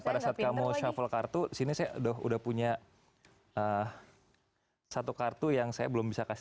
pada saat kamu shuffle kartu sini saya udah punya satu kartu yang saya belum bisa kasih